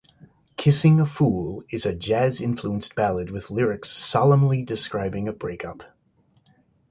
"Kissing a Fool" is a jazz-influenced ballad with lyrics solemnly describing a breakup.